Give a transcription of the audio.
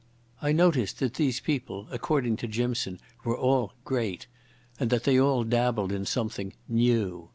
I noticed that these people, according to Jimson, were all "great", and that they all dabbled in something "new".